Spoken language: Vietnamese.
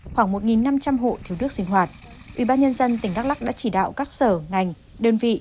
khoảng một năm trăm linh hộ thiếu nước sinh hoạt ubnd tỉnh đắk lắc đã chỉ đạo các sở ngành đơn vị